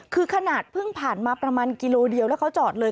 คือขนาดเพิ่งผ่านมาประมาณกิโลเดียวแล้วเขาจอดเลย